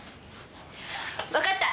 わかった！